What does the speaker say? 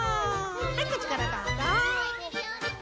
はいこっちからどうぞ。